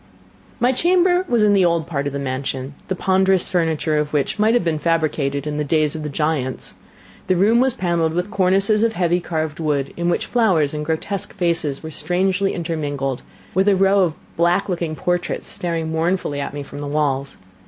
My chamber was in the old part of the mansion, the ponderous furniture of which might have been fabricated in the days of the giants. The room was panelled with cornices of heavy carved work, in which flowers and grotesque faces were strangely intermingled; and a row of black looking portraits stared mournfully at me from the walls.